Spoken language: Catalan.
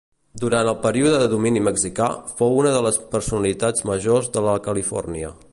Durant el període de domini mexicà, fou una de les personalitats majors de la Califòrnia.